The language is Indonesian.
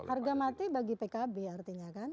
harga mati bagi pkb artinya kan